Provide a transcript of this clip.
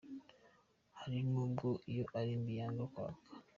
hari nubwo iyo ari mbi yanga kwaka.